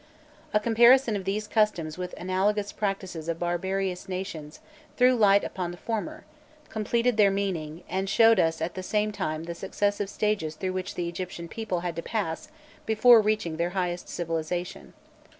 A comparison of these customs with analogous practices of barbarous nations threw light upon the former, completed their meaning, and showed us at the same time the successive stages through which the Egyptian people had to pass before reaching their highest civilization.